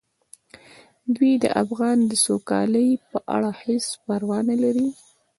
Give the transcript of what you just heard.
دوی د افغان د سوکالۍ په اړه هیڅ پروا نه لري.